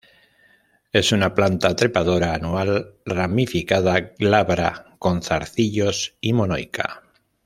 Es una planta trepadora anual ramificada glabra, con zarcillos y monoica.